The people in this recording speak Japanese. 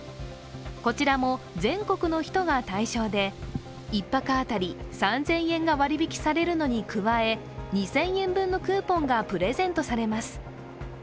こちらも全国の人が対象で、１泊当たり３０００円が割り引きされるのに加え、２０００円分のクーポンがプレゼントされます。